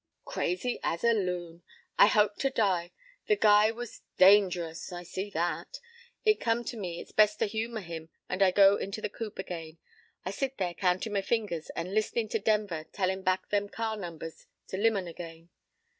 p> "Crazy as a loon. I hope to die! the guy was dangerous. I see that. It come to me it's best to humor him, and I go into the coop again. I sit there countin' my fingers and listenin' to Denver tellin' back them car numbers to Limon again.